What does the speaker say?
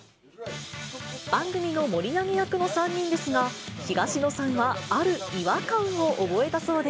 番組の盛り上げ役の３人ですが、東野さんはある違和感を覚えたそうで。